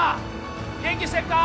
元気してるか？